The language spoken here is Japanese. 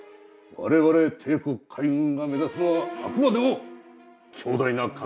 我々帝国海軍が目指すのはあくまでも強大な艦隊だ。